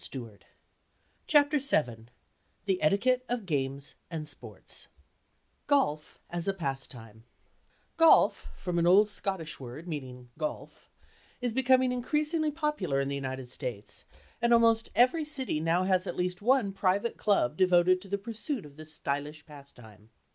_ CHAPTER SEVEN: THE ETIQUETTE OF GAMES AND SPORTS GOLF AS A PASTIME "Golf" (from an old Scottish word meaning "golf") is becoming increasingly popular in the United States, and almost every city now has at least one private club devoted to the pursuit of this stylish pastime.